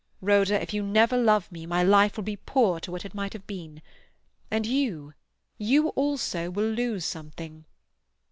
Rhoda, if you never love me, my life will be poor to what it might have been; and you, you also, will lose something.